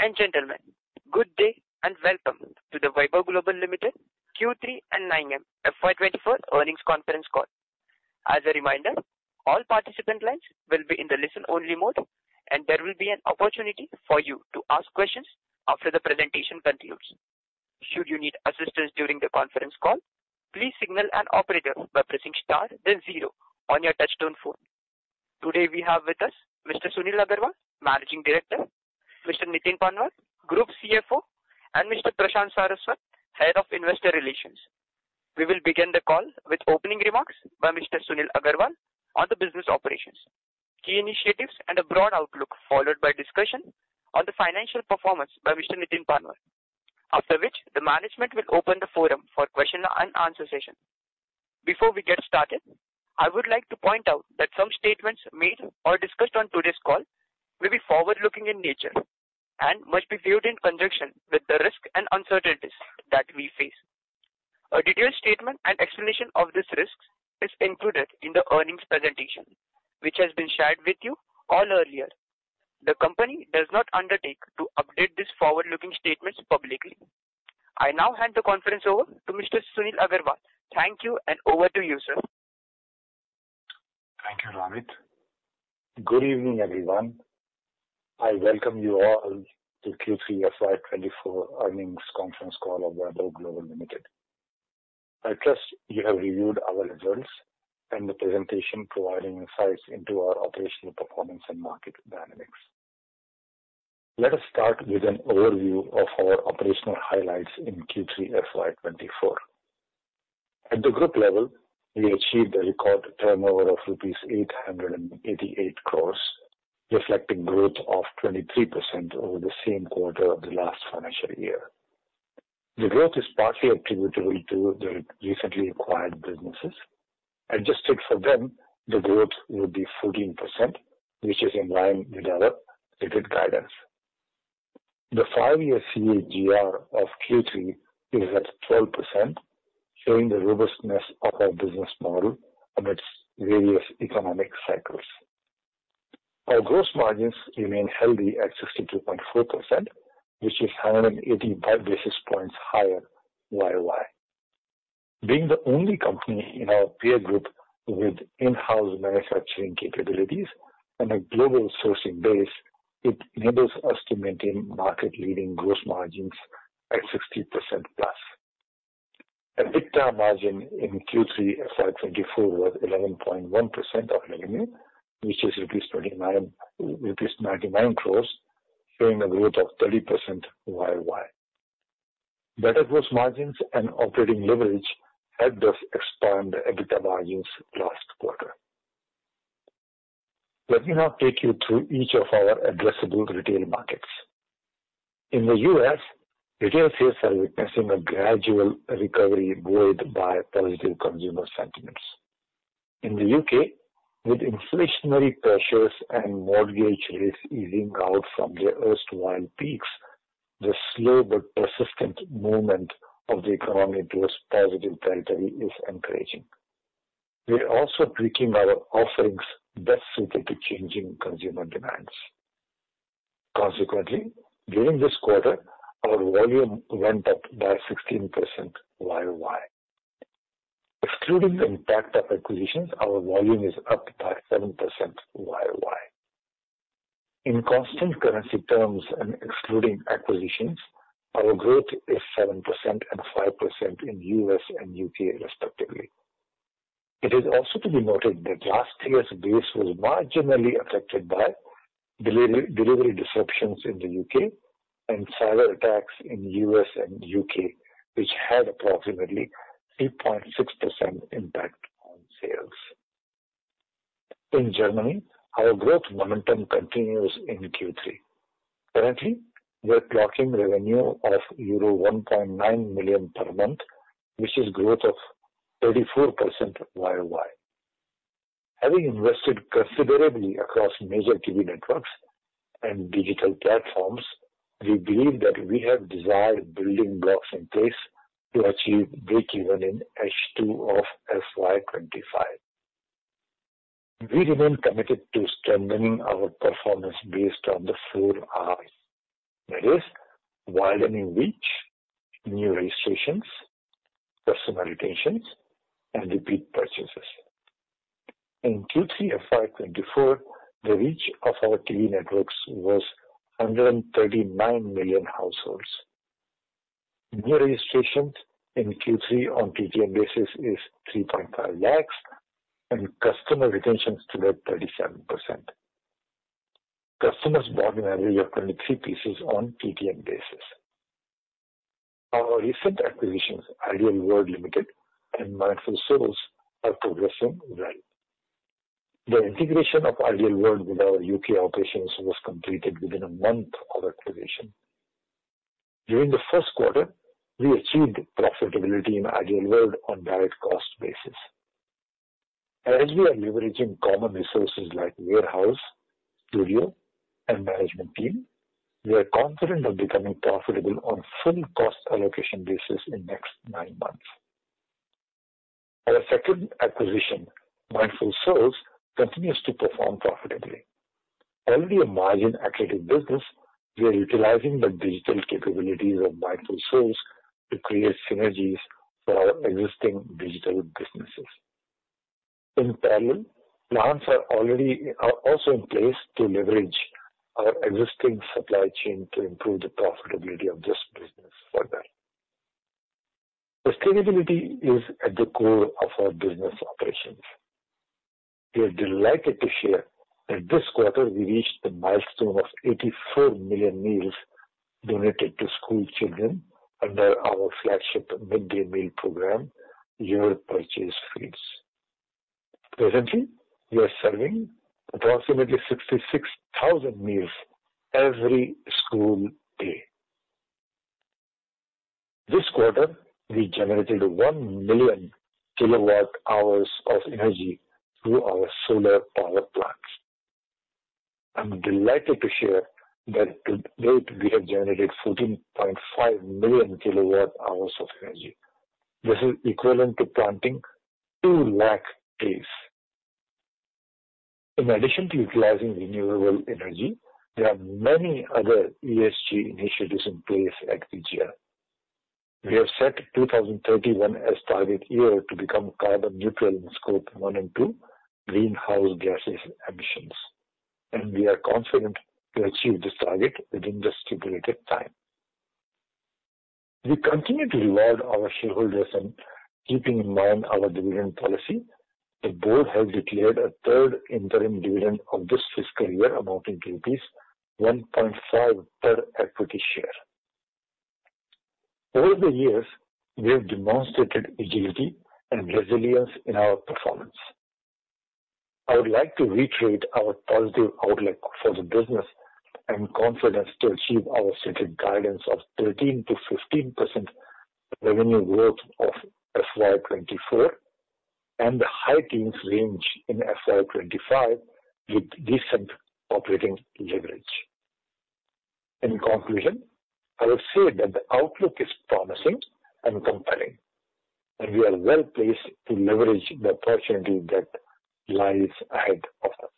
Ladies and gentlemen, good day and welcome to the Vaibhav Global Limited Q3 and 9M FY 2024 earnings conference call. As a reminder, all participant lines will be in the listen-only mode, and there will be an opportunity for you to ask questions after the presentation concludes. Should you need assistance during the conference call, please signal an operator by pressing star then zero on your touchtone phone. Today, we have with us Mr. Sunil Agrawal, Managing Director, Mr. Nitin Panwad, Group CFO, and Mr. Prashant Saraswat, Head of Investor Relations. We will begin the call with opening remarks by Mr. Sunil Agrawal on the business operations, key initiatives and a broad outlook, followed by discussion on the financial performance by Mr. Nitin Panwad. After which, the management will open the forum for question and answer session. Before we get started, I would like to point out that some statements made or discussed on today's call may be forward-looking in nature and must be viewed in conjunction with the risks and uncertainties that we face. A detailed statement and explanation of these risks is included in the earnings presentation, which has been shared with you all earlier. The company does not undertake to update these forward-looking statements publicly. I now hand the conference over to Mr. Sunil Agrawal. Thank you, and over to you, sir. Thank you, Ramit. Good evening, everyone. I welcome you all to Q3 FY 2024 earnings conference call of Vaibhav Global Limited. I trust you have reviewed our results and the presentation providing insights into our operational performance and market dynamics. Let us start with an overview of our operational highlights in Q3 FY 2024. At the group level, we achieved a record turnover of rupees 888 crore, reflecting growth of 23% over the same quarter of the last financial year. The growth is partly attributable to the recently acquired businesses. Adjusted for them, the growth would be 14%, which is in line with our stated guidance. The five-year CAGR of Q3 is at 12%, showing the robustness of our business model amidst various economic cycles. Our gross margins remain healthy at 62.4%, which is 185 basis points higher year-over-year. Being the only company in our peer group with in-house manufacturing capabilities and a global sourcing base, it enables us to maintain market-leading gross margins at 60%+. EBITDA margin in Q3 FY 2024 was 11.1% of revenue, which is rupees 99 crores, showing a growth of 30% year-over-year. Better gross margins and operating leverage helped us expand the EBITDA margins last quarter. Let me now take you through each of our addressable retail markets. In the U.S., retail sales are witnessing a gradual recovery buoyed by positive consumer sentiments. In the U.K., with inflationary pressures and mortgage rates easing out from their erstwhile peaks, the slow but persistent movement of the economy towards positive territory is encouraging. We are also tweaking our offerings best suited to changing consumer demands. Consequently, during this quarter, our volume went up by 16% year-over-year. Excluding the impact of acquisitions, our volume is up by 7% year-over-year. In constant currency terms and excluding acquisitions, our growth is 7% and 5% in U.S. and U.K., respectively. It is also to be noted that last year's base was marginally affected by delivery, delivery disruptions in the U.K. and cyber attacks in U.S. and U.K., which had approximately 3.6% impact on sales. In Germany, our growth momentum continues in Q3. Currently, we're clocking revenue of euro 1.9 million per month, which is growth of 34% year-over-year. Having invested considerably across major TV networks and digital platforms, we believe that we have desired building blocks in place to achieve breakeven in H2 of FY 2025. We remain committed to strengthening our performance based on the four Rs. That is widening reach, new registrations, customer retentions, and repeat purchases. In Q3 FY 2024, the reach of our TV networks was 139 million households. New registrations in Q3 on TTM basis is 3.5 lakhs, and customer retention stood at 37%. Customers bought an average of 23 pieces on TTM basis. Our recent acquisitions, Ideal World Limited and Mindful Souls, are progressing well. The integration of Ideal World with our U.K. operations was completed within a month of acquisition. During the first quarter, we achieved profitability in Ideal World on direct cost basis. As we are leveraging common resources like warehouse, studio, and management team, we are confident of becoming profitable on full cost allocation basis in next 9 months. Our second acquisition, Mindful Souls, continues to perform profitably. Already a margin-accretive business, we are utilizing the digital capabilities of Mindful Souls to create synergies for our existing digital businesses. In parallel, plans are also in place to leverage our existing supply chain to improve the profitability of this business further. Sustainability is at the core of our business operations. We are delighted to share that this quarter we reached the milestone of 84 million meals donated to school children under our flagship Mid-Day Meal program, Your Purchase Feeds. Presently, we are serving approximately 66,000 meals every school day. This quarter, we generated 1 million kWh of energy through our solar power plants. I'm delighted to share that to date, we have generated 14.5 million kWh of energy. This is equivalent to planting 200,000 trees. In addition to utilizing renewable energy, there are many other ESG initiatives in place at VGL. We have set 2031 as target year to become carbon neutral in Scope 1 and 2 greenhouse gases emissions, and we are confident to achieve this target within the stipulated time. We continue to reward our shareholders and keeping in mind our dividend policy, the board has declared a third interim dividend of this fiscal year, amounting to rupees 1.5 per equity share. Over the years, we have demonstrated agility and resilience in our performance. I would like to reiterate our positive outlook for the business and confidence to achieve our stated guidance of 13%-15% revenue growth of FY 2024 and the high teens range in FY 2025 with decent operating leverage. In conclusion, I would say that the outlook is promising and compelling, and we are well-placed to leverage the opportunity that lies ahead of us.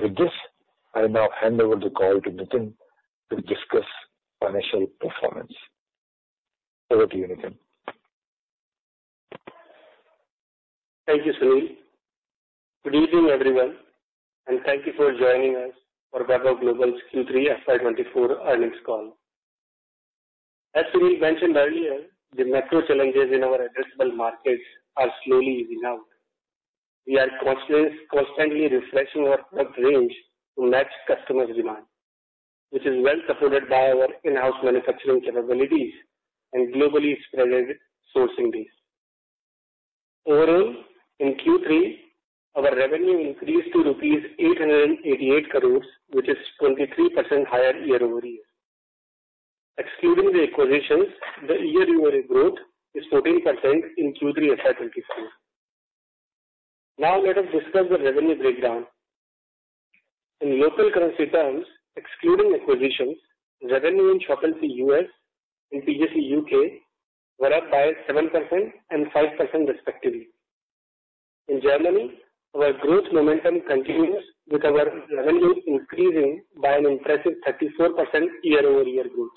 With this, I now hand over the call to Nitin to discuss financial performance. Over to you, Nitin. Thank you, Sunil. Good evening, everyone, and thank you for joining us for Vaibhav Global's Q3 FY24 earnings call. As Sunil mentioned earlier, the macro challenges in our addressable markets are slowly easing out. We are constantly, constantly refreshing our product range to match customer demand, which is well supported by our in-house manufacturing capabilities and globally expanded sourcing base. Overall, in Q3, our revenue increased to rupees 888 crore, which is 23% higher year-over-year. Excluding the acquisitions, the year-over-year growth is 14% in Q3 FY24. Now let us discuss the revenue breakdown. In local currency terms, excluding acquisitions, revenue in Shop LC US and TJC UK were up by 7% and 5%, respectively. In Germany, our growth momentum continues, with our revenue increasing by an impressive 34% year-over-year growth.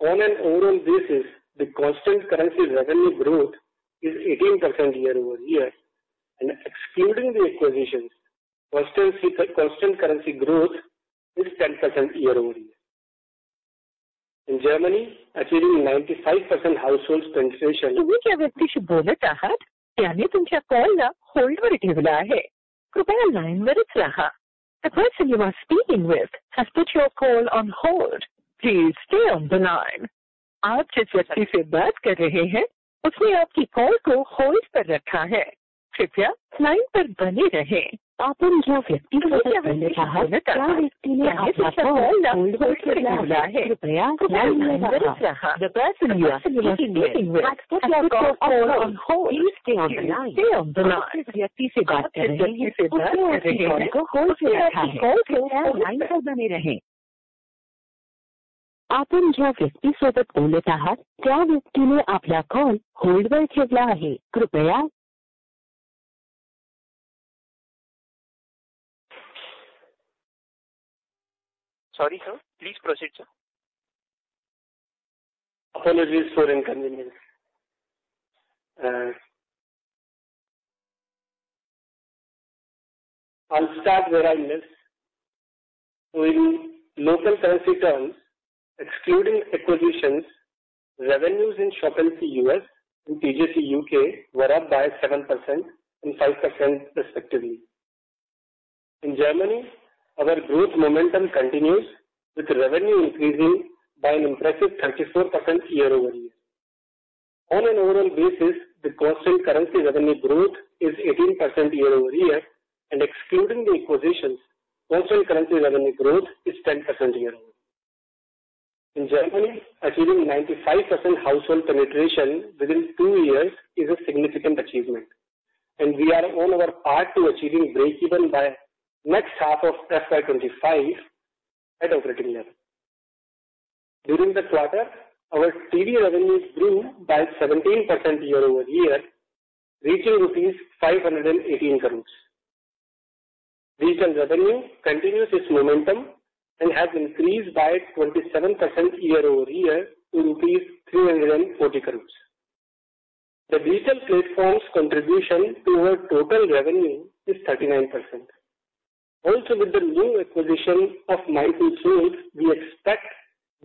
On an overall basis, the constant currency revenue growth is 18% year-over-year, and excluding the acquisitions, constant currency growth is 10% year-over-year. In Germany, achieving 95% household penetration- The person you are speaking with has put your call on hold. Please stay on the line. The person you are speaking with has put your call on hold. Please stay on the line. The person you are speaking with has put your call on hold. Please stay on the line. Sorry, sir. Please proceed, sir. Apologies for the inconvenience. I'll start where I left. So in local currency terms, excluding acquisitions, revenues in Shop LC US and TJC UK were up by 7% and 5%, respectively. In Germany, our growth momentum continues, with revenue increasing by an impressive 34% year-over-year. On an overall basis, the constant currency revenue growth is 18% year-over-year, and excluding the acquisitions, constant currency revenue growth is 10% year-over-year. In Germany, achieving 95% household penetration within 2 years is a significant achievement, and we are on our path to achieving breakeven by next half of FY 2025 at operating level. During the quarter, our TV revenues grew by 17% year-over-year, reaching INR 518 crores. Digital revenue continues its momentum and has increased by 27% year-over-year to INR 340 crores. The digital platform's contribution to our total revenue is 39%. Also, with the new acquisition of Mindful Souls, we expect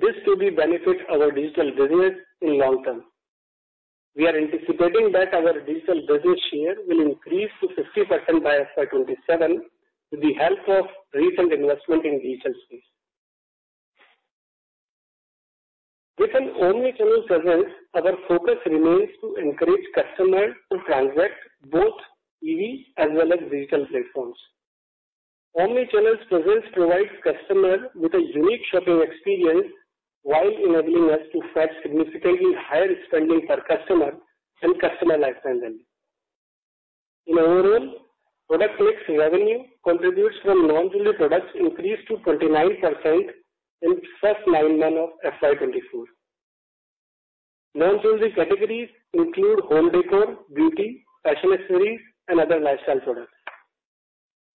this to be benefit our digital business in long term. We are anticipating that our digital business share will increase to 50% by FY 2027, with the help of recent investment in digital space. With an omni-channel presence, our focus remains to encourage customers to transact both TV as well as digital platforms. Omni-channel presence provides customer with a unique shopping experience while enabling us to track significantly higher spending per customer and customer lifetime value. Overall, product mix revenue contributes from non-jewelry products increased to 29% in first nine months of FY 2024. Non-jewelry categories include home decor, beauty, fashion accessories, and other lifestyle products.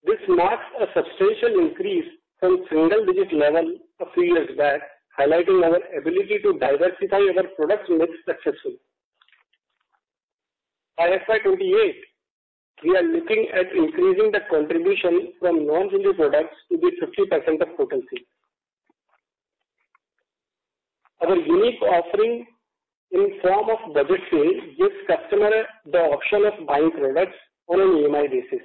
This marks a substantial increase from single-digit level a few years back, highlighting our ability to diversify our product mix successfully. By FY 2028, we are looking at increasing the contribution from non-jewelry products to be 50% of total sales. Our unique offering in form of budget sales, gives customer the option of buying products on an EMI basis.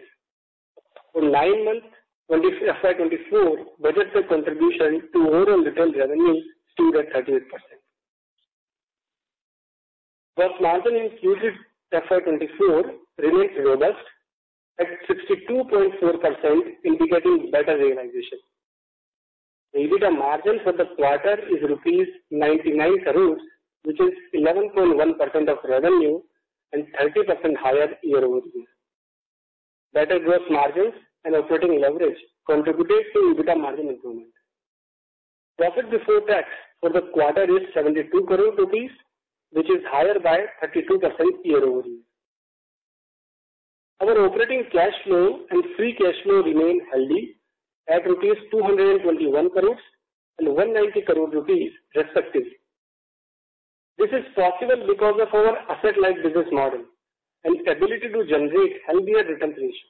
For 9 months, on this FY 2024, budget sale contribution to overall digital revenue stood at 38%. Gross margin included FY 2024 remains robust at 62.4%, indicating better realization. EBITDA margin for the quarter is rupees 99 crore, which is 11.1% of revenue and 30% higher year-over-year. Better gross margins and operating leverage contributed to EBITDA margin improvement. Profit before tax for the quarter is 72 crore rupees, which is higher by 32% year-over-year. Our operating cash flow and free cash flow remain healthy at rupees 221 crore and 190 crore rupees respectively. This is possible because of our asset-light business model and ability to generate healthier return ratio.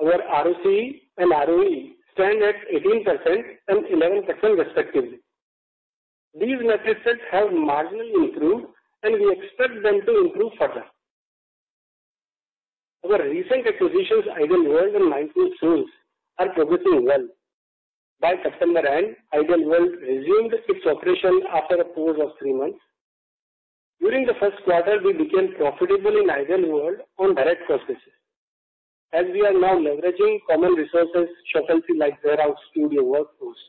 Our ROCE and ROE stand at 18% and 11% respectively. These metrics have marginally improved, and we expect them to improve further. Our recent acquisitions, Ideal World and Mindful Souls, are progressing well. By September end, Ideal World resumed its operation after a pause of three months. During the first quarter, we became profitable in Ideal World on direct purchases, as we are now leveraging common resources, such as warehouse, studio, workforce.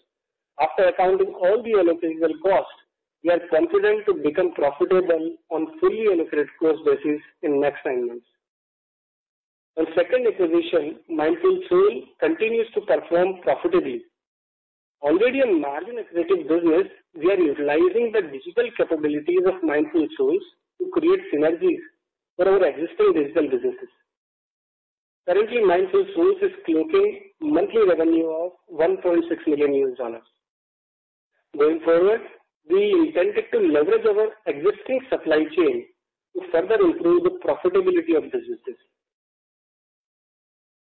After accounting all the allocated costs, we are confident to become profitable on fully allocated cost basis in next nine months. Our second acquisition, Mindful Souls, continues to perform profitably. Already a margin-accretive business, we are utilizing the digital capabilities of Mindful Souls to create synergies for our existing digital businesses. Currently, Mindful Souls is clocking monthly revenue of $1.6 million. Going forward, we intended to leverage our existing supply chain to further improve the profitability of businesses.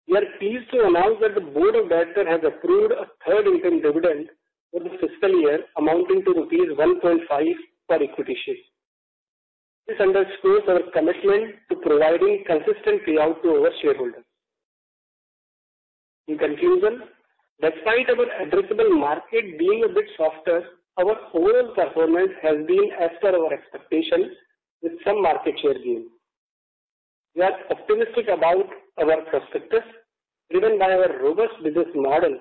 We are pleased to announce that the Board of Directors has approved a third interim dividend for the fiscal year, amounting to rupees 1.5 per equity share. This underscores our commitment to providing consistent payout to our shareholders. In conclusion, despite our addressable market being a bit softer, our overall performance has been as per our expectations, with some market share gain. We are optimistic about our prospects, driven by our robust business model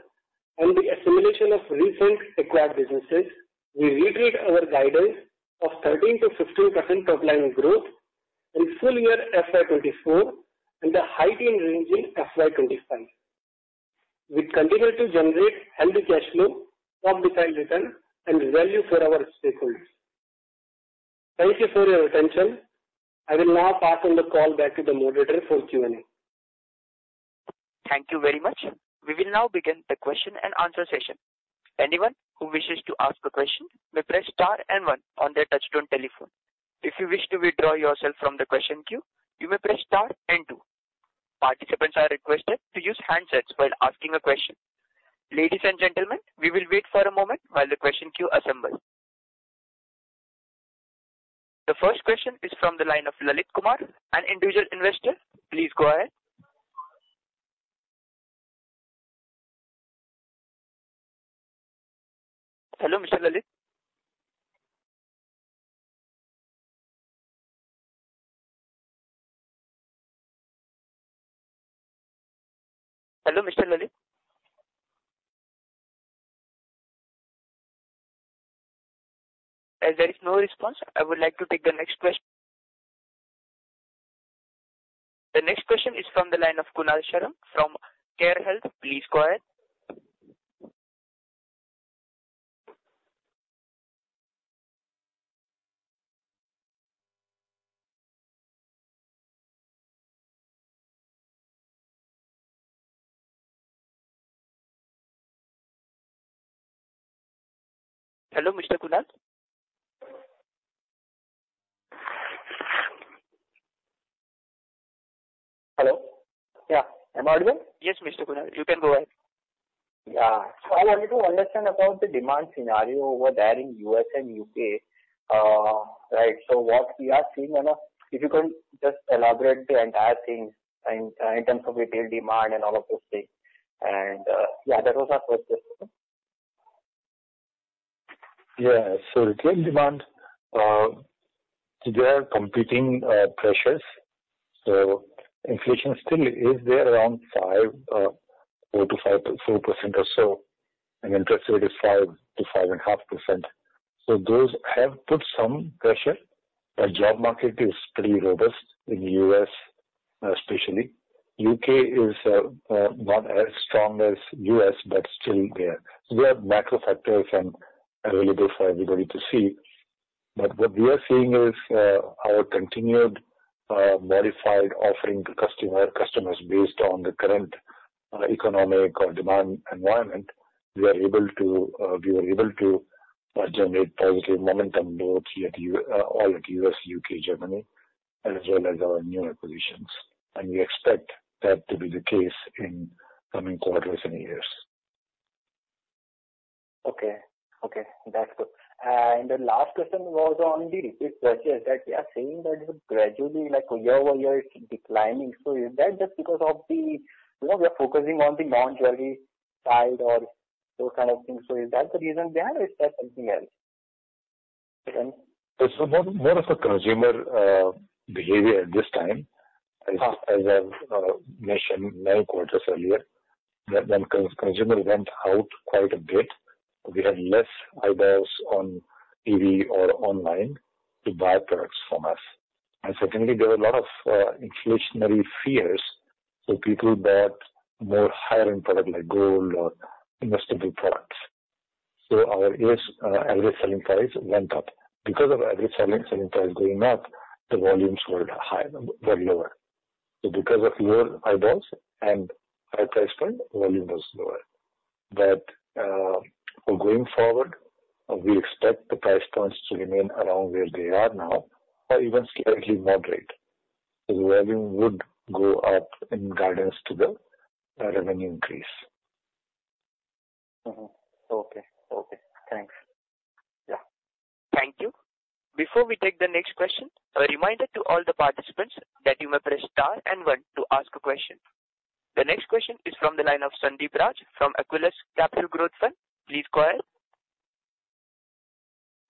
and the assimilation of recent acquired businesses. We reiterate our guidance of 13%-15% top line growth in full year FY 2024 and the high teen range in FY 2025. We continue to generate healthy cash flow, top-decile return, and value for our stakeholders. Thank you for your attention. I will now pass on the call back to the moderator for Q&A. Thank you very much. We will now begin the question and answer session. Anyone who wishes to ask a question, may press star and one on their touchtone telephone. If you wish to withdraw yourself from the question queue, you may press star and two. Participants are requested to use handsets while asking a question. Ladies and gentlemen, we will wait for a moment while the question queue assembles. The first question is from the line of Lalit Kumar, an individual investor. Please go ahead. Hello, Mr. Lalit? Hello, Mr. Lalit? As there is no response, I would like to take the next question.... The next question is from the line of Kunal Sharma from Care Health. Please go ahead. Hello, Mr. Kunal? Hello? Yeah. Am I audible? Yes, Mr. Kunal, you can go ahead. Yeah. So I wanted to understand about the demand scenario over there in U.S. and U.K., right. So what we are seeing, and, if you can just elaborate the entire thing in, in terms of retail demand and all of those things. And, yeah, that was our first question. Yeah. So retail demand today are competing pressures. So inflation still is there around 4 to 5.4% or so, and interest rate is 5%-5.5%. So those have put some pressure. The job market is pretty robust in the U.S., especially. U.K. is not as strong as U.S., but still there. We have macro factors and available for everybody to see. But what we are seeing is our continued modified offering to customers based on the current economic or demand environment. We are able to, we were able to generate positive momentum both here at U.S. all at U.S., U.K., Germany, as well as our newer acquisitions. And we expect that to be the case in coming quarters and years. Okay. Okay, that's good. And the last question was on the repeat purchase, that we are seeing that gradually, like year-over-year, it's declining. So is that just because of the... well, we are focusing on the non-jewelry side or those kind of things. So is that the reason there or is there something else? It's more of a consumer behavior at this time. Uh. As I've mentioned many quarters earlier, that when consumer went out quite a bit, we had less eyeballs on TV or online to buy products from us. And secondly, there were a lot of inflationary fears, so people bought more higher-end product, like gold or investable products. So our U.S. average selling price went up. Because of average selling price going up, the volumes were lower. So because of lower eyeballs and high price point, volume was lower. But going forward, we expect the price points to remain around where they are now or even slightly moderate. So volume would go up in guidance to the revenue increase. Mm-hmm. Okay. Okay, thanks. Yeah. Thank you. Before we take the next question, a reminder to all the participants that you may press Star and One to ask a question. The next question is from the line of Sandeep Raj from Aquilus Capital Growth Fund. Please go ahead.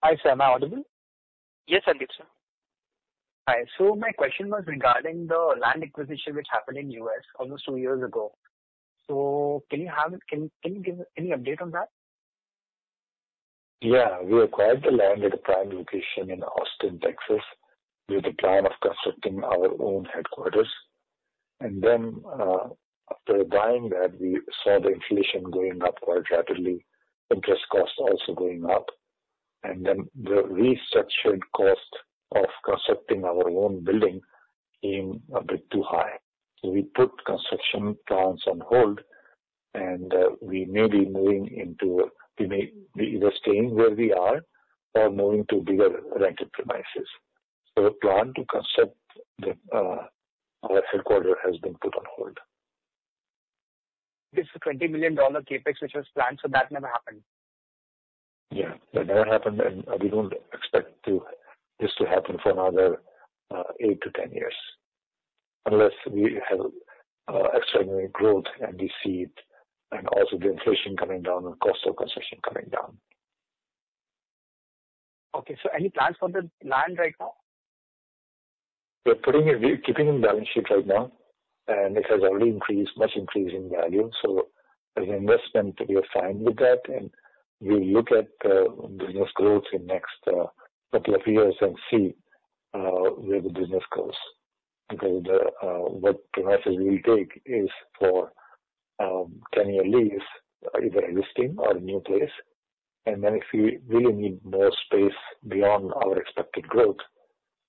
Hi, sir. Am I audible? Yes, Sandeep, sir. Hi. So my question was regarding the land acquisition, which happened in the U.S. almost two years ago. So can you give any update on that? Yeah. We acquired the land at a prime location in Austin, Texas, with the plan of constructing our own headquarters. And then, after buying that, we saw the inflation going up quite rapidly, interest costs also going up, and then the restructured cost of constructing our own building came a bit too high. So we put construction plans on hold, and we may be moving into--we may be either staying where we are or moving to bigger rented premises. So the plan to construct the our headquarters has been put on hold. This is a $20 million CapEx, which was planned, so that never happened? Yeah, that never happened, and we don't expect this to happen for another 8-10 years. Unless we have extraordinary growth and we see it and also the inflation coming down and cost of construction coming down. Okay. So any plans for the land right now? We're putting it, we're keeping in balance sheet right now, and it has already increased, much increased in value. So as an investment, we are fine with that, and we look at business growth in next couple of years and see where the business goes. Because the what premises we take is for 10-year lease, either existing or new place. And then if we really need more space beyond our expected growth,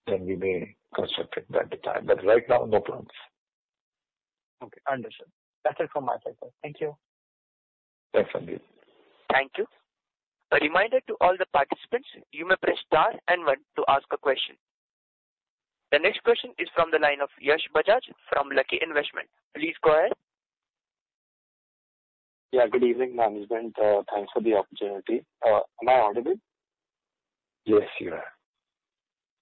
then we may construct it at the time. But right now, no plans. Okay, understood. That's it from my side, sir. Thank you. Thanks, Sandeep. Thank you. A reminder to all the participants, you may press star and one to ask a question. The next question is from the line of Yash Bajaj from Lucky Investment. Please go ahead. Yeah, good evening, management. Thanks for the opportunity. Am I audible? Yes, you are.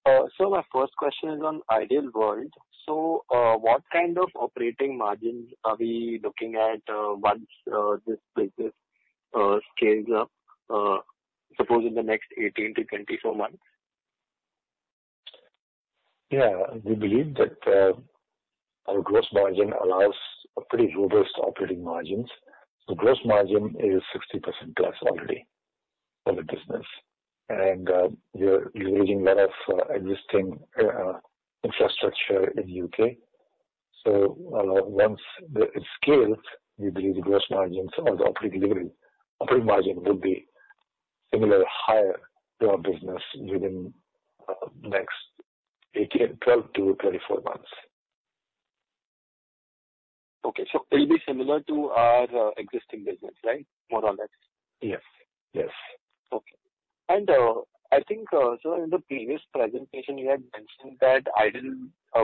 My first question is on Ideal World. What kind of operating margins are we looking at once this business scales up, suppose in the next 18-24 months? Yeah. We believe that our gross margin allows a pretty robust operating margins. The gross margin is 60% plus already for the business. We are using lot of existing infrastructure in U.K. Once it scales, we believe the gross margins or the operating delivery- operating margin will be similar higher to our business within next eighteen, 12-24 months. Okay. So it'll be similar to our existing business, right? More or less. Yes. Yes. Okay. I think, so in the previous presentation, you had mentioned that Ideal,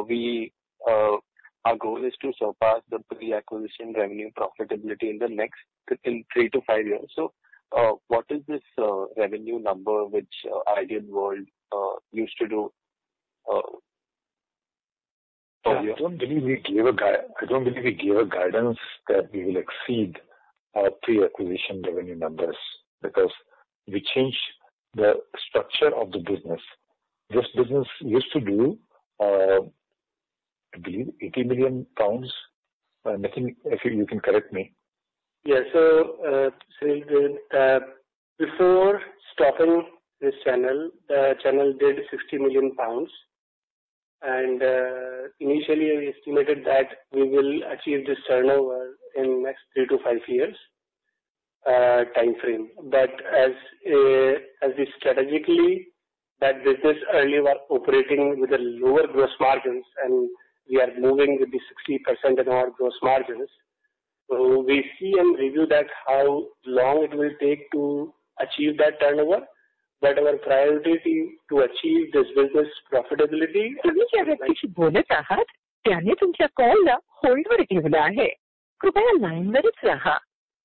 we, our goal is to surpass the pre-acquisition revenue profitability in the next, within three to five years. So, what is this revenue number which Ideal World used to do? I don't believe we gave a guidance that we will exceed our pre-acquisition revenue numbers, because we changed the structure of the business. This business used to do, I believe, 80 million pounds. I think, I feel you can correct me. Yeah. So, before stopping this channel, the channel did 60 million pounds. And, initially we estimated that we will achieve this turnover in next 3-5 years timeframe. But as, as we strategically, that business earlier were operating with a lower gross margins, and we are moving with the 60% in our gross margins. So we see and review that, how long it will take to achieve that turnover, but our priority is to achieve this business profitability.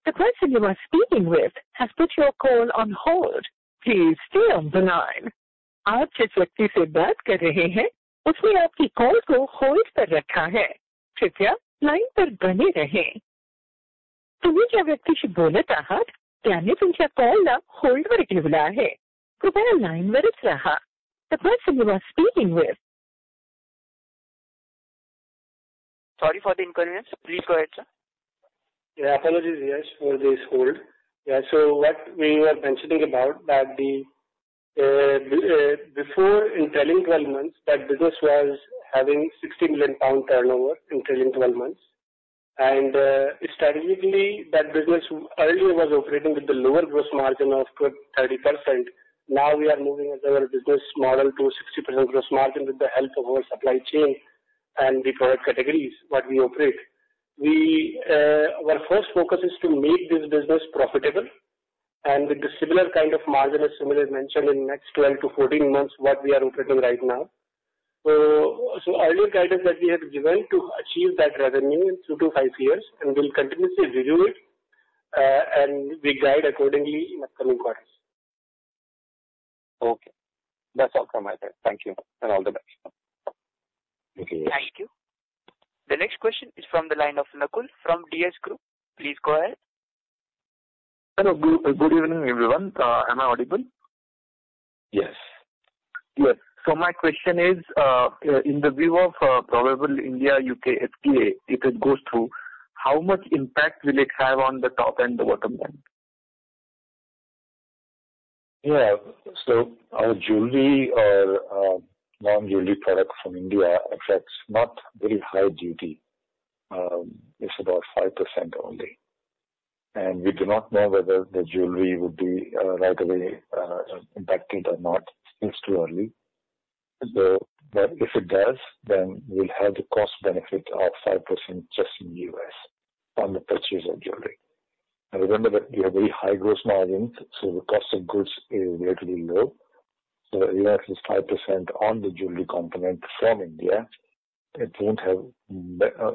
The person you are speaking with has put your call on hold. Please stay on the line. The person you are speaking with- Sorry for the inconvenience. Please go ahead, sir. Yeah, apologies, yash, for this hold. Yeah, so what we were mentioning about that the before in trailing twelve months, that business was having 60 million pound turnover in trailing 12 months. And strategically, that business earlier was operating with a lower gross margin of 30%. Now we are moving our business model to 60% gross margin with the help of our supply chain and the product categories what we operate. We our first focus is to make this business profitable and with the similar kind of margin, as Sunil has mentioned, in next 12-14 months, what we are operating right now. So earlier guidance that we had given to achieve that revenue in 3-5 years, and we'll continuously review it and we guide accordingly in upcoming quarters. Okay. That's all from my side. Thank you and all the best. Okay. Thank you. The next question is from the line of Nakul from DS Group. Please go ahead. Hello. Good, good evening, everyone. Am I audible? Yes. Yes. My question is, in the view of probable India-UK FTA, if it goes through, how much impact will it have on the top and the bottom line? Yeah. So our jewelry or non-jewelry product from India affects not very high duty. It's about 5% only, and we do not know whether the jewelry will be right away impacted or not. It's too early. So but if it does, then we'll have the cost benefit of 5% just in the U.S. on the purchase of jewelry. And remember that we have very high gross margins, so the cost of goods is relatively low. So even if it's 5% on the jewelry component from India, it won't have a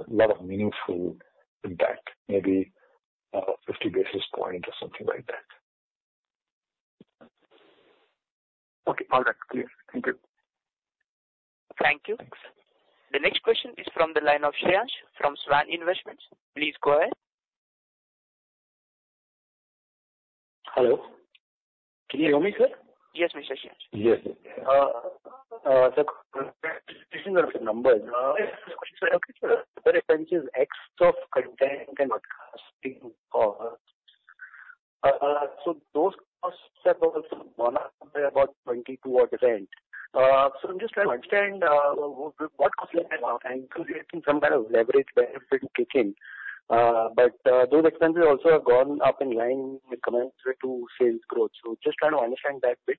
lot of meaningful impact, maybe 50 basis points or something like that. Okay. All right. Clear. Thank you. Thank you. Thanks. The next question is from the line of Shreyas from Svan Investments. Please go ahead. Hello, can you hear me, sir? Yes, Mr. Shreyas. Yes. So numbers, the expenses X of content and broadcasting costs. So those costs have also gone up by about 22%. So I'm just trying to understand what caused them and creating some kind of leverage benefit kicking, but those expenses also have gone up in line commensurate to sales growth. So just trying to understand that bit.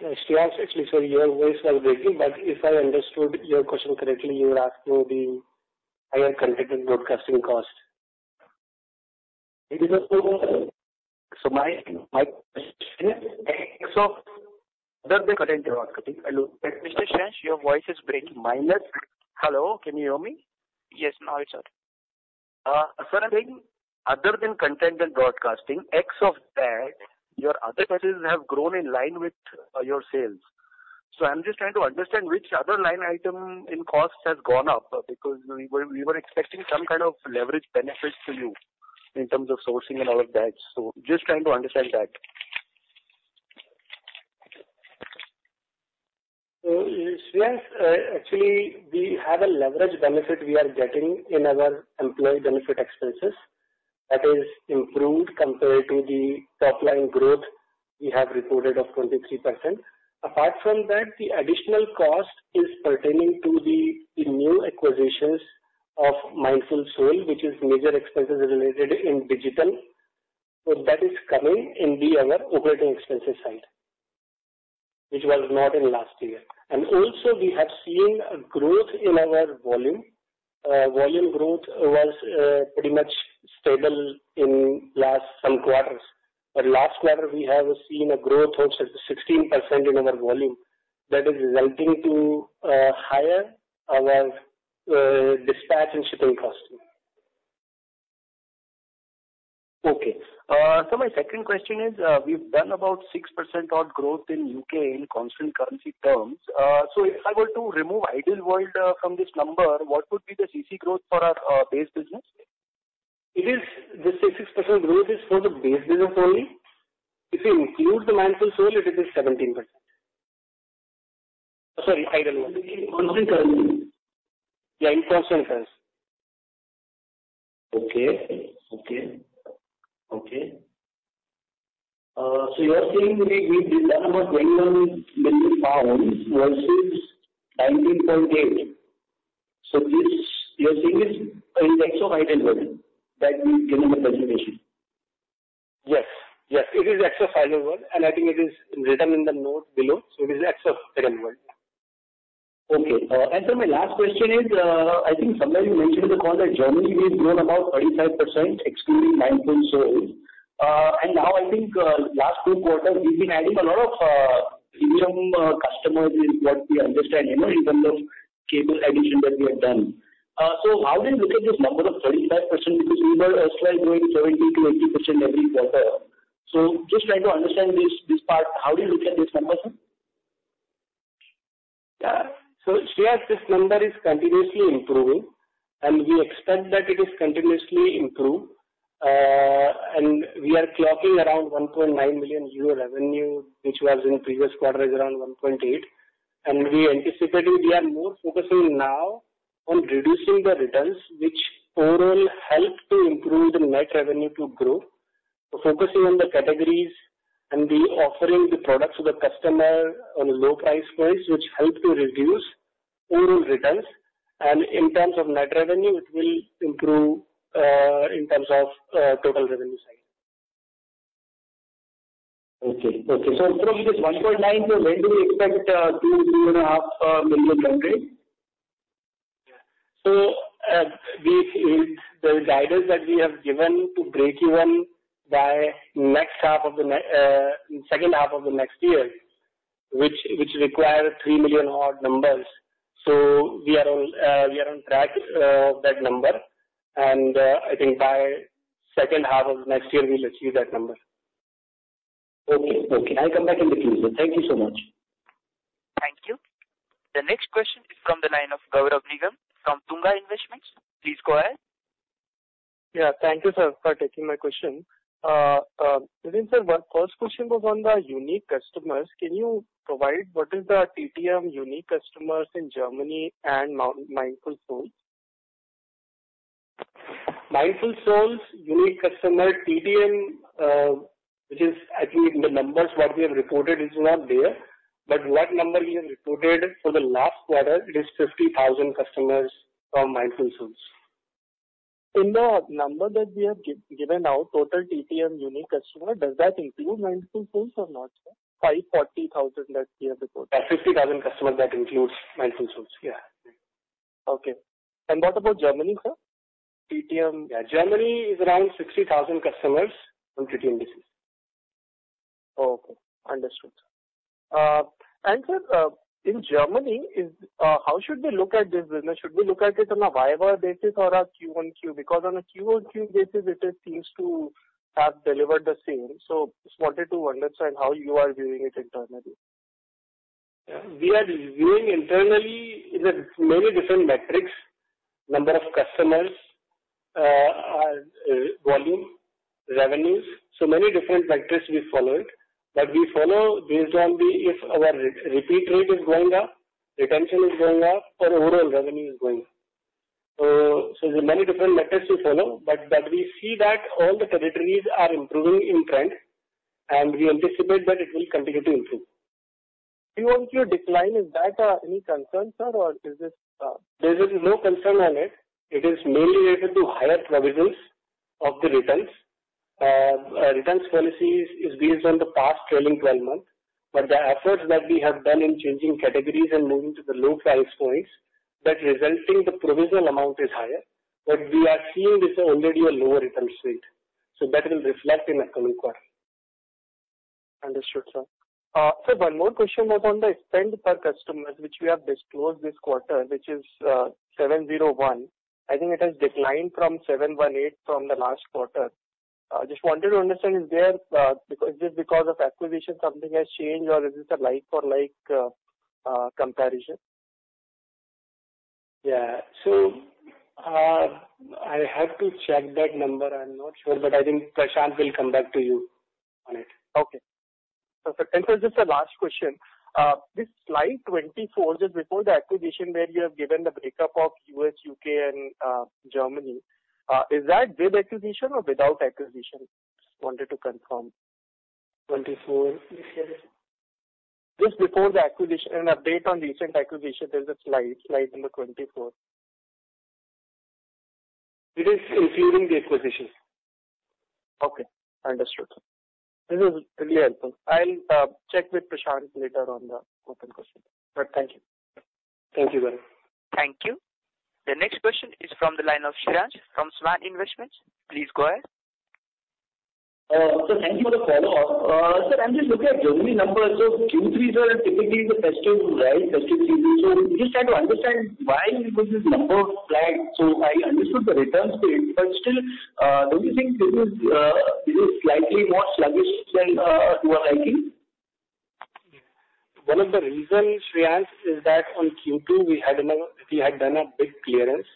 Yes, Shreyas, actually, so your voice is breaking, but if I understood your question correctly, you are asking me the higher content and broadcasting cost? It is a Mr. Shreyas, your voice is breaking minus. Hello, can you hear me? Yes, now I hear, sir. Sir, I think other than content and broadcasting, rest of that, your other expenses have grown in line with your sales. So I'm just trying to understand which other line item in costs has gone up, because we were expecting some kind of leverage benefits to you in terms of sourcing and all of that. So just trying to understand that. ... Yes, actually, we have a leverage benefit we are getting in our employee benefit expenses. That is improved compared to the top line growth we have reported of 23%. Apart from that, the additional cost is pertaining to the new acquisitions of Mindful Souls, which is major expenses related in digital. So that is coming in our operating expenses side, which was not in last year. And also we have seen a growth in our volume. Volume growth was pretty much stable in last some quarters, but last quarter we have seen a growth of 16% in our volume. That is resulting to higher our dispatch and shipping cost. Okay. So my second question is, we've done about 6% odd growth in U.K in constant currency terms. So if I were to remove Ideal World from this number, what would be the CC growth for our base business? It is, this 6% growth is for the base business only. If you include the Mindful Souls, it will be 17%. Sorry, Ideal World. In constant currency? Yeah, in constant currency. Okay. Okay. Okay. So you are saying we did about 21 million pounds versus 19.8 million pound. So this, you're saying, is ex of Ideal World, that we give them a presentation. Yes, yes, it is ex of Ideal World, and I think it is written in the note below, so it is ex of Ideal World. Okay. And so my last question is, I think somewhere you mentioned in the call that Germany we've grown about 35%, excluding Mindful Souls. And now I think, last two quarters, we've been adding a lot of premium customers, is what we understand, you know, in terms of cable addition that we have done. So how do you look at this number of 35%? Because we were as well growing 70%-80% every quarter. So just trying to understand this, this part, how do you look at this number, sir? Yeah. So, yes, this number is continuously improving, and we expect that it is continuously improve. And we are clocking around 1.9 million euro revenue, which was in previous quarter is around 1.8 million. And we anticipating we are more focusing now on reducing the returns, which overall help to improve the net revenue to grow. So focusing on the categories and the offering the products to the customer on a low price points, which help to reduce overall returns, and in terms of net revenue, it will improve, in terms of, total revenue side. Okay. Okay. So from this 1.9 million, so when do we expect 2-2.5 million revenue? The guidance that we have given to break even by second half of the next year, which requires 3 million odd numbers. So we are on, we are on track, that number. I think by second half of next year, we'll achieve that number. Okay. Okay. I'll come back in the queue. Thank you so much. Thank you. The next question is from the line of Gaurav Nigam from Tunga Investments. Please go ahead. Yeah. Thank you, sir, for taking my question. Nitin sir, one first question was on the unique customers. Can you provide what is the TTM unique customers in Germany and Mindful Souls? Mindful Souls unique customer, TTM, which is, I think the numbers what we have reported is not there, but what number we have reported for the last quarter, it is 50,000 customers from Mindful Souls. In the number that we have given out, total TTM unique customer, does that include Mindful Souls or not, sir? 540,000 that we have reported. 50,000 customers, that includes Mindful Souls, yeah. Okay. What about Germany, sir? TTM. Yeah, Germany is around 60,000 customers on TTM basis. Okay. Understood. And sir, in Germany, how should we look at this business? Should we look at it on a YoY basis or a QoQ? Because on a QoQ basis, it seems to have delivered the same. So just wanted to understand how you are viewing it internally. Yeah. We are viewing internally in many different metrics, number of customers, volume, revenues. So many different metrics we followed, but we follow based on the, if our repeat rate is going up, retention is going up, or overall revenue is going. So, there are many different metrics we follow, but we see that all the territories are improving in trend, and we anticipate that it will continue to improve. QoQ decline, is that any concern, sir, or is this? There is no concern on it. It is mainly related to higher provisions of the returns. Returns policies is based on the past trailing 12 months, but the efforts that we have done in changing categories and moving to the low price points, that resulting the provisional amount is higher, but we are seeing this already a lower return rate, so that will reflect in a coming quarter. Understood, sir. Sir, one more question was on the spend per customers, which we have disclosed this quarter, which is 701. I think it has declined from 718 from the last quarter. Just wanted to understand, is there, because just because of acquisition something has changed or is this a like for like comparison?... Yeah. So, I have to check that number. I'm not sure, but I think Prashant will come back to you on it. Okay. And so just a last question. This slide 24, just before the acquisition, where you have given the breakup of U.S., U.K. and Germany, is that with acquisition or without acquisition? Just wanted to confirm. 24. Just before the acquisition, an update on recent acquisition. There's a slide, slide number 24. It is including the acquisition. Okay, understood. This is really helpful. I'll check with Prashant later on the open question, but thank you. Thank you very much. Thank you. The next question is from the line of Shreyas from Svan Investments. Please go ahead. So thank you for the follow-up. Sir, I'm just looking at Germany numbers. So Q3s are typically the festive, right? Festive season. So just try to understand why this is number flagged. So I understood the returns to it, but still, don't you think this is, this is slightly more sluggish than, to our liking? One of the reasons, Shreyas, is that on Q2, we had done a big clearance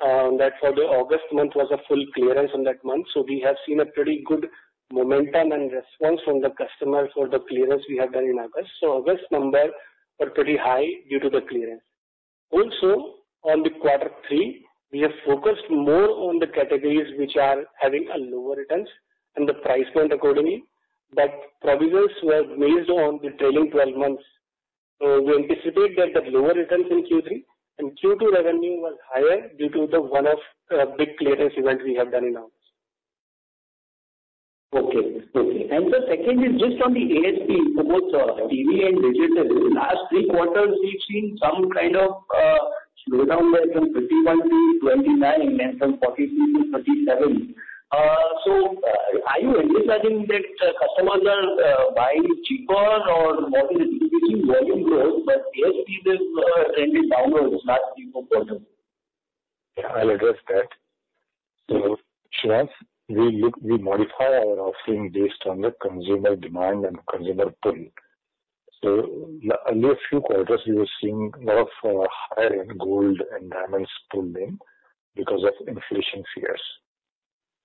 that for the August month was a full clearance on that month. So we have seen a pretty good momentum and response from the customers for the clearance we have done in August. So August number were pretty high due to the clearance. Also, on the quarter three, we have focused more on the categories which are having a lower returns and the price point accordingly. But provisions were based on the trailing twelve months, so we anticipate that the lower returns in Q3 and Q2 revenue was higher due to the one-off big clearance event we have done in August. Okay. Okay. The second is just on the ASP for both TV and digital. In the last three quarters, we've seen some kind of slowdown, like from 51 to 29, and from 43 to 37. So are you anticipating that customers are buying cheaper or what is the volume growth? But ASP is slightly downwards last three quarters. Yeah, I'll address that. So Shreyas, we modify our offering based on the consumer demand and consumer pull. So earlier few quarters, we were seeing lot of higher end gold and diamonds pulling because of inflation fears.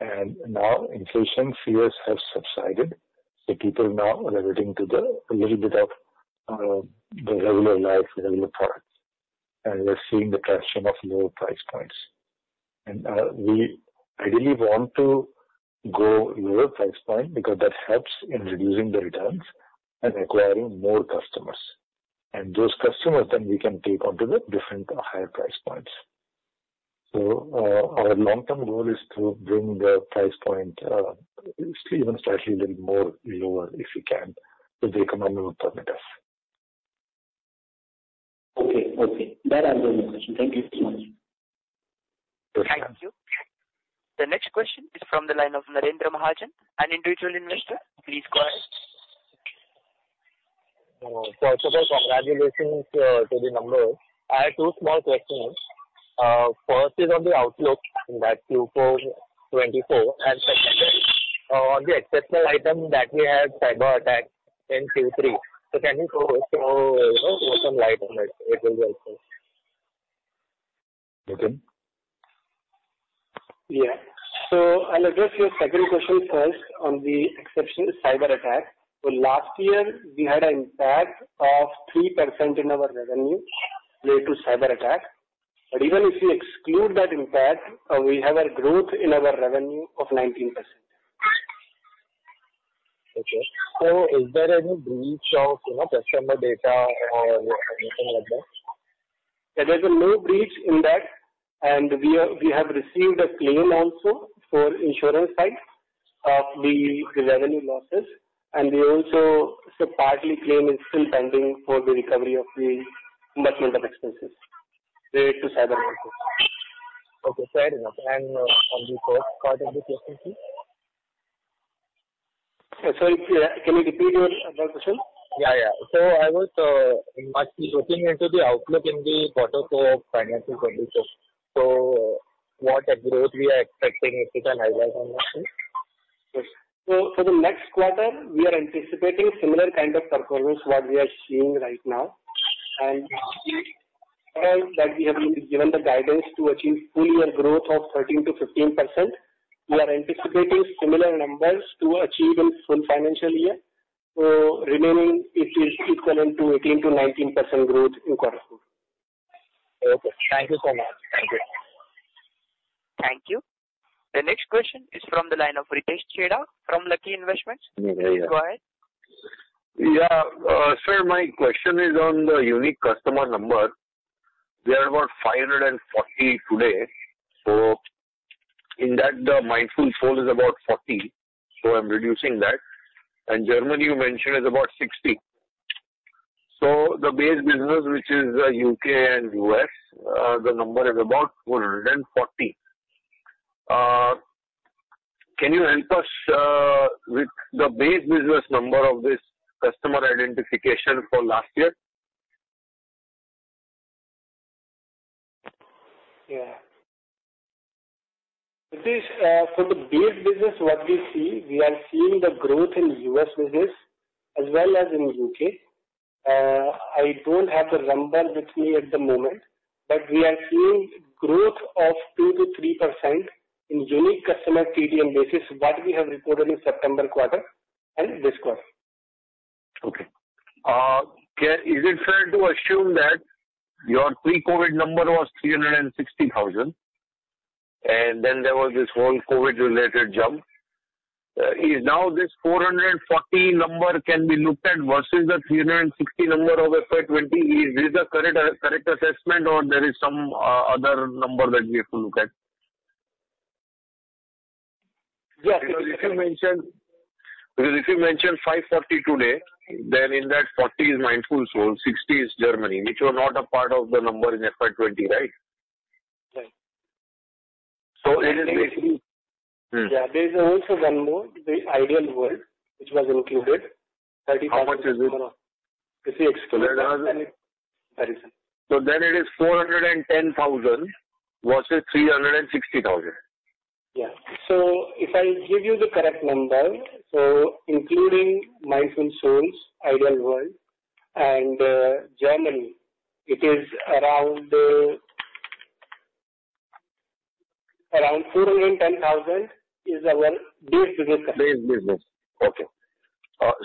And now inflation fears have subsided, so people now are reverting to the little bit of the regular life, regular products, and we're seeing the traction of lower price points. And we ideally want to go lower price point because that helps in reducing the returns and acquiring more customers. And those customers then we can take on to the different higher price points. So our long-term goal is to bring the price point even slightly little more lower, if we can, if the economy will permit us. Okay. Okay, that answers my question. Thank you so much. Thank you. The next question is from the line of Narendra Mahajan, an individual investor. Please go ahead. First of all, congratulations to the numbers. I have two small questions. First is on the outlook that Q4 2024, and second, on the exceptional item that we had cyberattack in Q3. So can you throw, throw, you know, some light on it? It will be helpful. Okay. Yeah. So I'll address your second question first on the exceptional cyberattack. Last year we had an impact of 3% in our revenue due to cyberattack. But even if you exclude that impact, we have a growth in our revenue of 19%. Okay. So is there any breach of, you know, customer data or anything like that? There is no breach in that, and we have received a claim also for insurance side of the revenue losses, and we also. So, partly claim is still pending for the recovery of the investment of expenses related to cyber attack. Okay, fair enough. And, on the first part of the question, please? Sorry, can you repeat your question? Yeah, yeah. So I was looking into the outlook in the quarter four of FY24. So what growth we are expecting, if you can highlight on that please? So for the next quarter, we are anticipating similar kind of performance, what we are seeing right now. And, that we have been given the guidance to achieve full year growth of 13%-15%. We are anticipating similar numbers to achieve in full financial year. So remaining it is equivalent to 18%-19% growth in quarter four. Okay, thank you so much. Thank you. Thank you. The next question is from the line of Pritesh Chheda from Lucky Investment. Please go ahead. Yeah, sir, my question is on the unique customer number. They are about 540 today. So in that, the mobile phone is about 40, so I'm reducing that. And Germany you mentioned is about 60. So the base business, which is U.K. and U.S., the number is about 440. Can you help us with the base business number of this customer identification for last year? For the base business, what we see, we are seeing the growth in U.S. business as well as in U.K. I don't have the number with me at the moment, but we are seeing growth of 2%-3% in unique customer TDM basis, what we have reported in September quarter and this quarter. Okay. Is it fair to assume that your pre-COVID number was 360,000, and then there was this whole COVID-related jump? Is now this 440 number can be looked at versus the 360 number of FY 2020, is this a correct correct assessment or there is some other number that we have to look at? Yeah. If you mentioned, because if you mentioned 540 today, then in that 40 is Mindful Souls, 60 is Germany, which were not a part of the number in FY 2020, right? Right. It is basically. Hmm. Yeah. There is also one more, the Ideal World, which was included. Thirty- How much is it? It's exclusive. It is 410,000 versus 360,000. Yeah. So if I give you the correct number, so including Mindful Souls, Ideal World, and Germany, it is around 410,000 is our base business. Base business. Okay.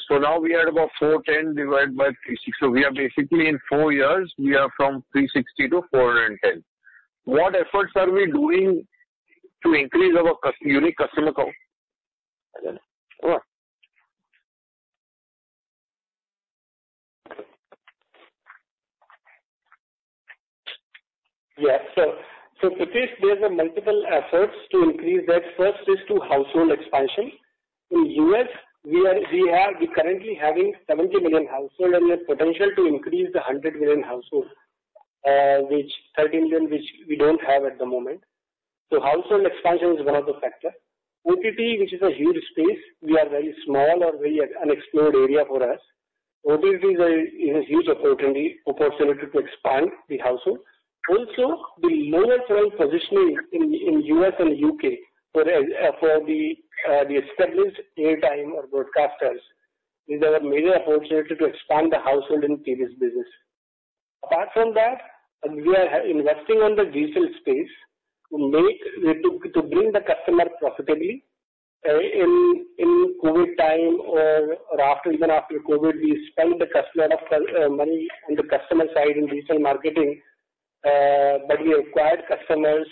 So now we are about 410 divided by 36. So we are basically in 4 years, we are from 360 to 410. What efforts are we doing to increase our unique customer count? Yeah. So, so Pritesh, there are multiple efforts to increase that. First is to household expansion. In U.S., we are, we currently having 70 million household and the potential to increase to 100 million household, which 30 million, which we don't have at the moment. So household expansion is one of the factor. OTT, which is a huge space, we are very small or very unexplored area for us. OTT is a, is a huge opportunity, opportunity to expand the household. Also, the lower price positioning in, in U.S. and U.K. for, for the, the established airtime or broadcasters, these are major opportunity to expand the household in previous business. Apart from that, we are investing on the digital space to make... to, to bring the customer profitably. In COVID time or after, even after COVID, we spent the customer of money on the customer side in digital marketing, but we acquired customers,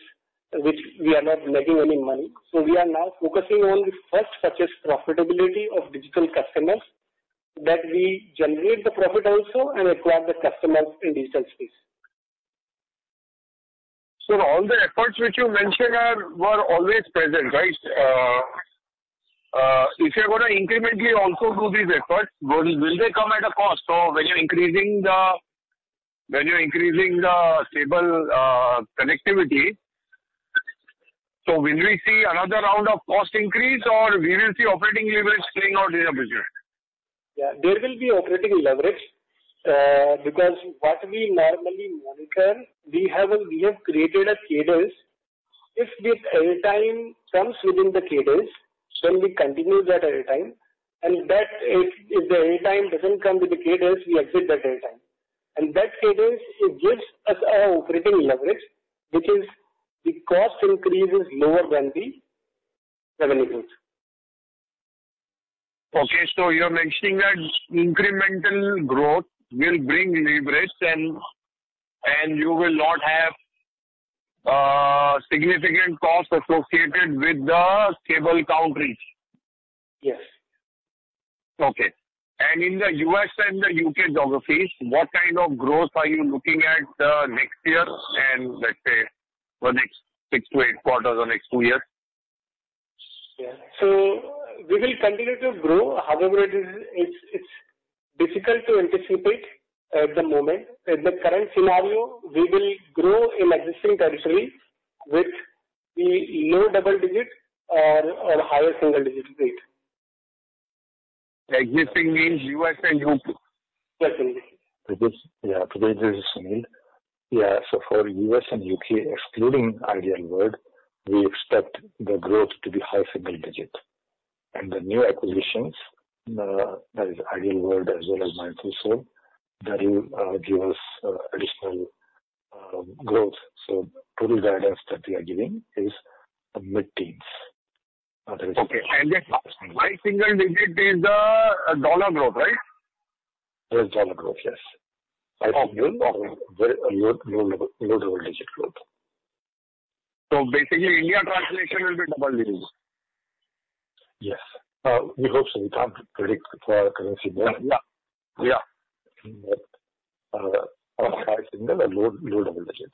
which we are not making any money. So we are now focusing on first, such as profitability of digital customers, that we generate the profit also and acquire the customers in digital space. So all the efforts which you mentioned are, were always present, right? If you're gonna incrementally also do these efforts, will they come at a cost? So when you're increasing the stable connectivity, so will we see another round of cost increase or we will see operating leverage staying out in the business? Yeah, there will be operating leverage because what we normally monitor, we have created a cadence. If the airtime comes within the cadence, then we continue that airtime, and if the airtime doesn't come with the cadence, we exit that airtime. And that cadence, it gives us a operating leverage, which is the cost increase is lower than the revenue growth. Okay, so you're mentioning that incremental growth will bring leverage, and you will not have significant costs associated with the cable count reach? Yes. Okay. And in the U.S. and the U.K. geographies, what kind of growth are you looking at, next year and, let's say, for next 6-8 quarters or next 2 years? Yeah. So we will continue to grow. However, it is, it's difficult to anticipate at the moment. In the current scenario, we will grow in existing territories with the low double digit or higher single digit rate. Existing means U.S. and U.K.? Yes. Pritesh, yeah, Pritesh, this is Sunil. Yeah, so for U.S. and U.K., excluding Ideal World, we expect the growth to be high single digit. The new acquisitions, that is Ideal World as well as Mindful Souls, that will give us additional growth. Total guidance that we are giving is a mid-teens. Okay. And the high single digit is the dollar growth, right? Yes, dollar growth, yes. Of growth? Low, low double, low double digit growth. Basically, India traction will be double digits. Yes. We hope so. We can't predict for currency. Yeah. Yeah. High single or low double digit.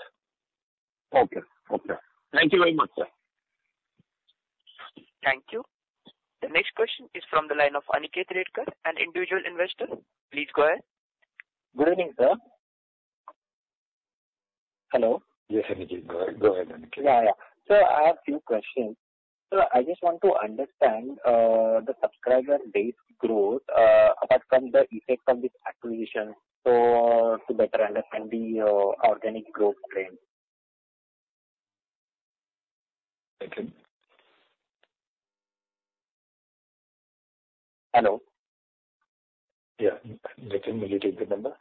Okay. Okay. Thank you very much, sir. Thank you. The next question is from the line of Aniket Redkar, an individual investor. Please go ahead. Good evening, sir. Hello? Yes, Aniket, go ahead, go ahead, Aniket. Yeah, yeah. Sir, I have few questions. ... Sir, I just want to understand the subscriber base growth apart from the effect of this acquisition, so to better understand the organic growth trend. Thank you. Hello? Yeah, Nitin, may you take the number?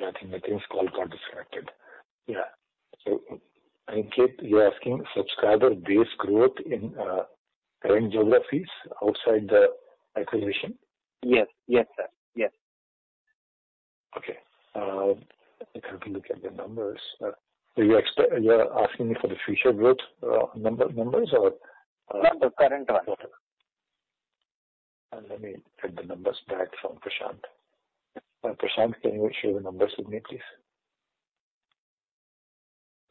I think Nitin's call got disconnected. Yeah. So Aniket, you're asking subscriber base growth in current geographies outside the acquisition? Yes. Yes, sir. Yes. Okay. Let me have a look at the numbers. So you're asking me for the future growth, number, numbers or- No, the current one. Let me get the numbers back from Prashant. Prashant, can you share the numbers with me, please?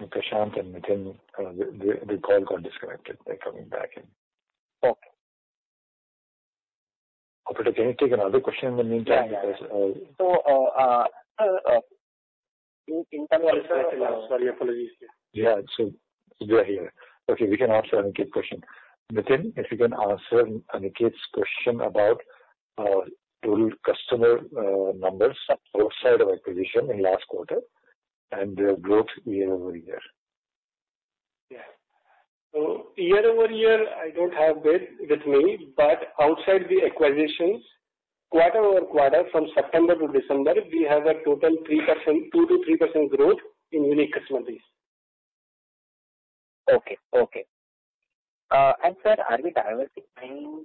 Prashant and Nitin, the call got disconnected. They're coming back in. Okay. Can we take another question in the meantime? Yeah, yeah. So, Sorry, apologies. Yeah, so they are here. Okay, we can answer Aniket's question. Nitin, if you can answer Aniket's question about, total customer, numbers outside of acquisition in last quarter and their growth year-over-year. Yeah. So year-over-year, I don't have it with me, but outside the acquisitions, quarter-over-quarter from September to December, we have a total 3%... 2%-3% growth in unique customer base. Okay. Okay, and sir, are we diversifying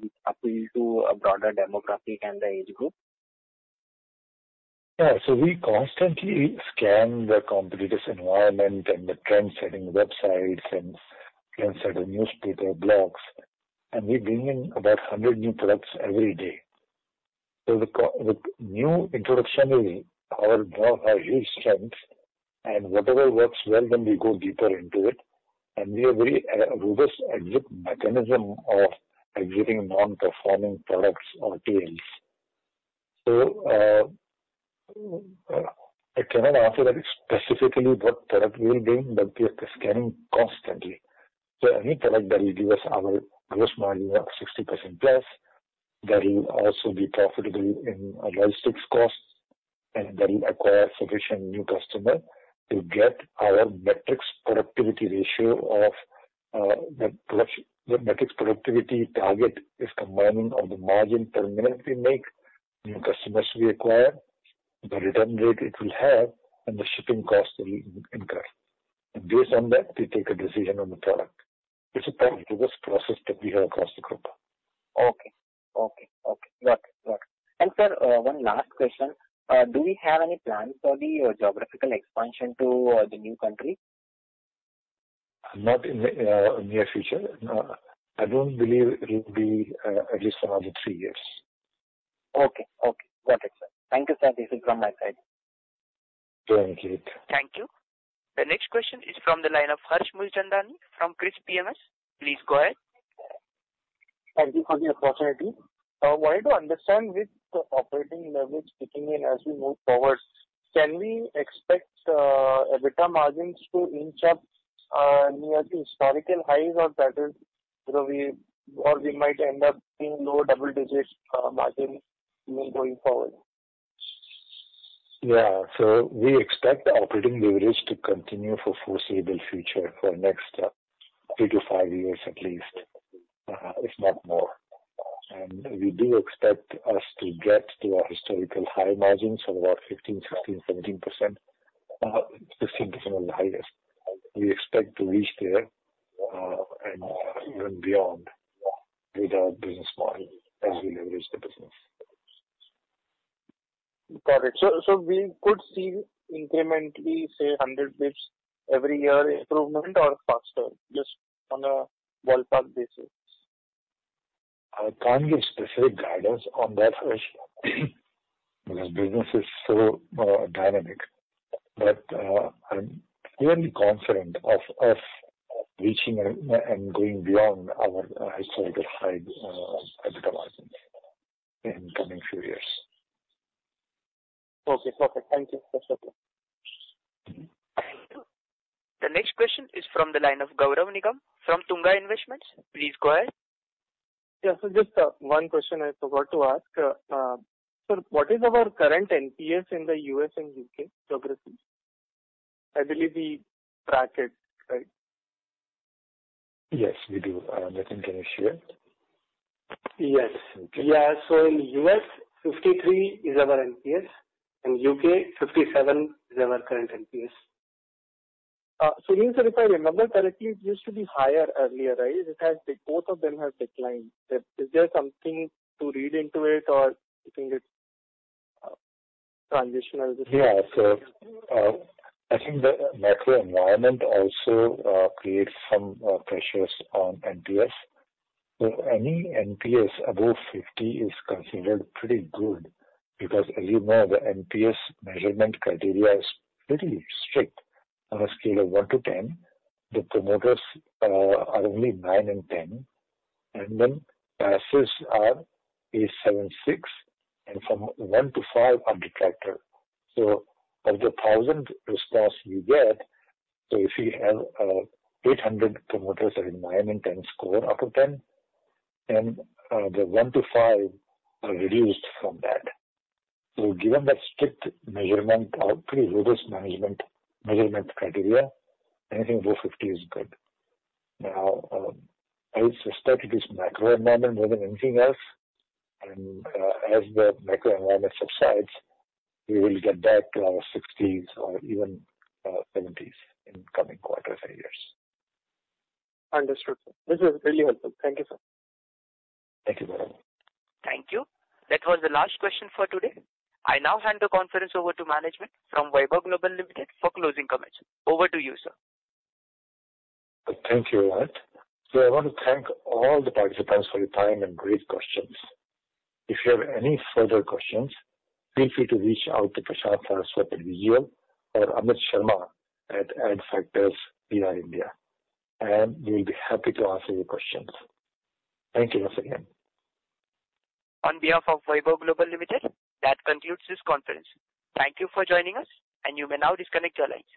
which appeal to a broader demographic and the age group? Yeah. So we constantly scan the competitive environment and the trend-setting websites and trend-setter newspaper blogs, and we bring in about 100 new products every day. So the new introduction is our huge strength, and whatever works well, then we go deeper into it, and we have a rigorous exit mechanism of exiting non-performing products or tails. So, I cannot answer that specifically what product we will bring, but we are scanning constantly. So any product that will give us our Gross Margin of 60%+, that will also be profitable in logistics costs and that will acquire sufficient new customer to get our metrics productivity ratio of the production. The metrics productivity target is combining of the margin per unit we make, new customers we acquire, the return rate it will have, and the shipping cost we incur. Based on that, we take a decision on the product. It's a pretty rigorous process that we have across the group. Okay. Okay. Okay. Got it. Got it. And, sir, one last question. Do we have any plans for the geographical expansion to the new country? Not in the near future. No. I don't believe it will be at least another three years. Okay. Okay, got it, sir. Thank you, sir. This is from my side. Thank you. Thank you. The next question is from the line of Harsh Mulchandani from Kriis PMS. Please go ahead. Thank you for the opportunity. Wanted to understand with the operating leverage kicking in as we move forward, can we expect, EBITDA margins to inch up, near the historical highs or better, so we or we might end up seeing lower double digits, margin going forward? Yeah. So we expect the operating leverage to continue for foreseeable future, for next, 3-5 years, at least, if not more. And we do expect us to get to our historical high margins of about 15%, 16%, 17%, 16% are the highest. We expect to reach there, and even beyond with our business model as we leverage the business. Got it. So we could see incrementally, say, 100 basis points every year improvement or faster, just on a ballpark basis? I can't give specific guidance on that, because business is so dynamic. But, I'm fairly confident of reaching and going beyond our historical high EBITDA margins in coming few years. Okay, perfect. Thank you. That's okay. Thank you. The next question is from the line of Gaurav Nigam from Tunga Investments. Please go ahead. Yeah. So just, one question I forgot to ask. Sir, what is our current NPS in the U.S. and U.K. geographies? I believe we track it, right? Yes, we do. Nitin, can you share? Yes. Okay. Yeah. So in U.S., 53 is our NPS, and U.K., 57 is our current NPS. So means that if I remember correctly, it used to be higher earlier, right? It has... Both of them have declined. Is there something to read into it or you think it's transitional? Yeah. So, I think the macro environment also creates some pressures on NPS. So any NPS above 50 is considered pretty good because as you know, the NPS measurement criteria is pretty strict. On a scale of 1 to 10, the promoters are only 9 and 10, and then Passives are a 7, 6, and from 1 to 5 are detractor. So of the 1,000 response you get, so if you have eight hundred promoters of environment and score out of ten, then the 1 to 5 are reduced from that. So given that strict measurement or pretty rigorous management measurement criteria, anything above 50 is good. Now, I suspect it is macro environment more than anything else, and as the macro environment subsides, we will get back to our 60s or even 70s in coming quarter, five years. Understood, sir. This is really helpful. Thank you, sir. Thank you, Gaurav. Thank you. That was the last question for today. I now hand the conference over to management from Vaibhav Global Limited for closing comments. Over to you, sir. Thank you, Anant. I want to thank all the participants for your time and great questions. If you have any further questions, feel free to reach out to Prashant Saraswat with the year or Amit Sharma at Adfactors PR India, and we'll be happy to answer your questions. Thank you once again. On behalf of Vaibhav Global Limited, that concludes this conference. Thank you for joining us, and you may now disconnect your lines.